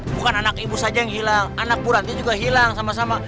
bukan anak ibu saja yang hilang anak buranti juga hilang sama sama